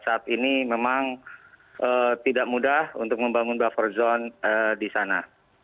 saat ini memang tidak mudah untuk membangun buffer zone di sana